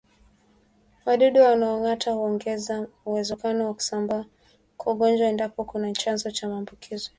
Wadudu wanaongata huongeza uwezekano wa kusambaa kwa ugonjwa endapo kuna chanzo cha maambukizi